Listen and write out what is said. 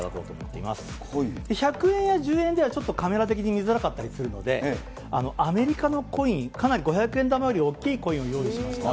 １００円や１０円ではカメラ的に見づらかったりするので、アメリカのコイン、かなり五百円玉より大きいコインを用意しました。